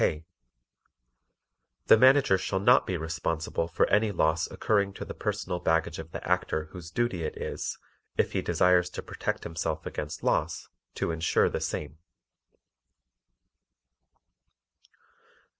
K. The Manager shall not be responsible for any loss occurring to the personal baggage of the Actor whose duty it is, if he desires to protect himself against loss, to insure the same.